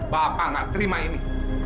bapak nggak terima ini